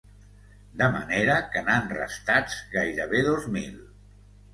De manera que n’han restats gairebé dos mil.